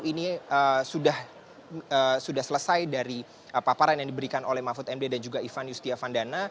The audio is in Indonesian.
ini sudah selesai dari paparan yang diberikan oleh mahfud md dan juga ivan yustiavandana